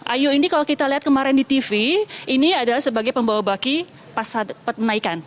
ayu ini kalau kita lihat kemarin di tv ini adalah sebagai pembawa baki pas menaikan